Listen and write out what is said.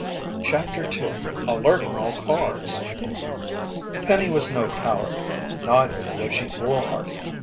CHAPTER 2 ALERTING ALL CARS Penny was no coward; neither was she foolhardy.